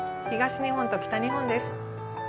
東日本と北日本です。